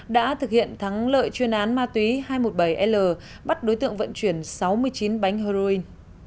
đã thực hiện thắng lợi chuyên án ma túy hai trăm một mươi bảy l bắt đối tượng vận chuyển sáu mươi chín bánh heroin